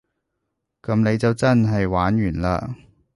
噉你就真係玩完嘞